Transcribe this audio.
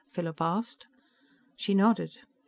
Philip asked. She nodded.